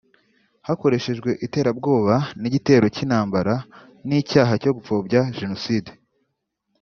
hakoreshejwe iterabwoba n’igitero cy’intambara n’icyaha cyo gupfobya Jenoside